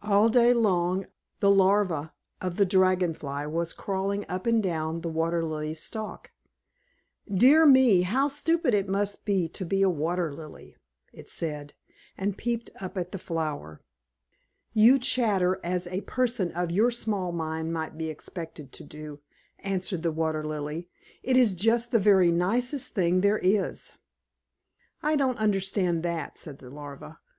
All day long the Larva of the Dragon Fly was crawling up and down the Water Lily's stalk. "Dear me, how stupid it must be to be a Water Lily!" it said, and peeped up at the flower. "You chatter as a person of your small mind might be expected to do," answered the Water Lily. "It is just the very nicest thing there is." "I don't understand that," said the Larva.